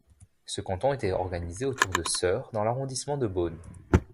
Ce canton était organisé autour de Seurre dans l'arrondissement de Beaune.